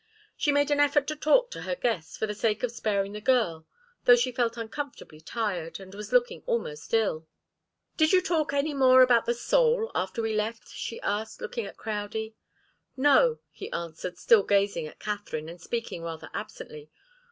She made an effort to talk to her guest, for the sake of sparing the girl, though she felt uncomfortably tired, and was looking almost ill. "Did you talk any more about the soul, after we left?" she asked, looking at Crowdie. "No," he answered, still gazing at Katharine, and speaking rather absently.